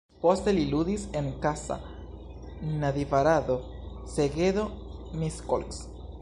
Poste li ludis en Kassa, Nadjvarado, Segedo, Miskolc.